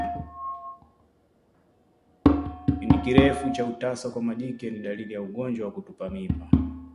Kipindi kirefu cha utasa kwa majike ni dalili ya ugonjwa wa kutupa mimba